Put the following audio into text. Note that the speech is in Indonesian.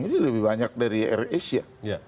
ini lebih banyak dari air asia